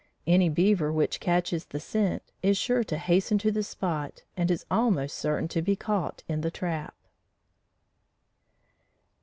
Any beaver which catches the scent, is sure to hasten to the spot and is almost certain to be caught in the trap.